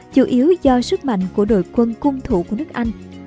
chủ yếu do sức mạnh của đội quân cung thủ của nước anh